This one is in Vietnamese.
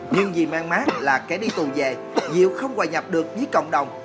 nhưng vì mang mát là kẻ đi tù về nhiều không hòa nhập được với cộng đồng